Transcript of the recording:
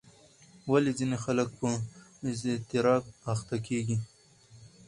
ولې ځینې خلک په اضطراب اخته کېږي؟